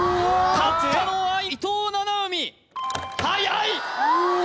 勝ったのは伊藤七海